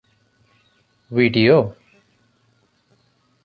video